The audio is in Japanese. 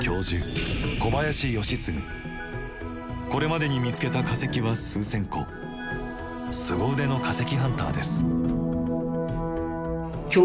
これまでに見つけた化石は数千個すご腕の化石ハンターです。